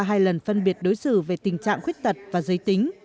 hai lần phân biệt đối xử về tình trạng khuyết tật và giới tính